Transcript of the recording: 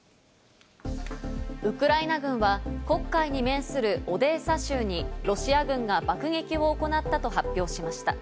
ウクライナ軍は黒海に面するオデーサ州にロシア軍が爆撃を行ったと発表しました。